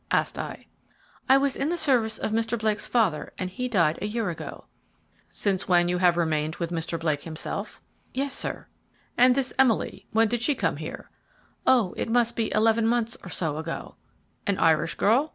asked I. "I was in the service of Mr. Blake's father and he died a year ago." "Since when you have remained with Mr. Blake himself?" "Yes sir." "And this Emily, when did she come here?" "Oh it must be eleven months or so ago." "An Irish girl?"